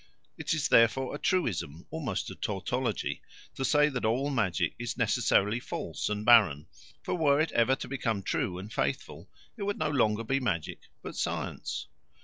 It is therefore a truism, almost a tautology, to say that all magic is necessarily false and barren; for were it ever to become true and fruitful, it would no longer be magic but science.